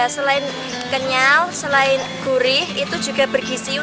selain kenyal selain gurih itu juga bergisi